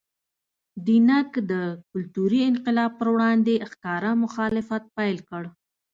دینګ د کلتوري انقلاب پر وړاندې ښکاره مخالفت پیل کړ.